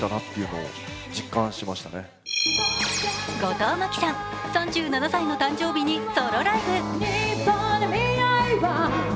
後藤真希さん、３７歳の誕生日にソロライブ。